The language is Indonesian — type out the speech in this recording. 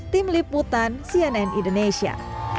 tim liputan cnn indonesia